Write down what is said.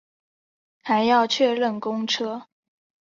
还要确认公车